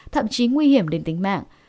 thậm chí nguy hiểm đến tính mạng